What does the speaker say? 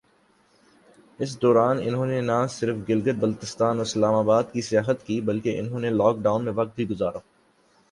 اس دوران انھوں نے نہ صرف گلگت بلستان اور اسلام آباد کی سیاحت کی بلکہ انھوں نے لاک ڈاون میں وقت بھی گزرا۔